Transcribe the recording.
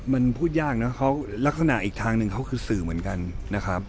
มันพูดยากนะเขาลักษณะอีกทางหนึ่งเขาคือสื่อเหมือนกันนะครับ